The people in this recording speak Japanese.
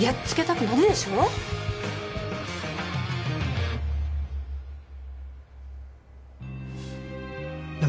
やっつけたくなるでしょねえ